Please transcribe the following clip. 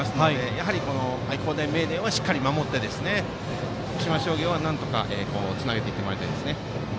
やはり、愛工大名電はしっかり守って徳島商業はなんとかつなげていってもらいたいですね。